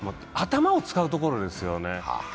頭を使うところですよね。